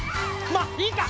まっいいか！